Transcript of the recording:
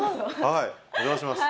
はいお邪魔します。